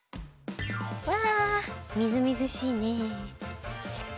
うわみずみずしいね。